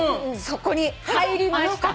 そこに入りました。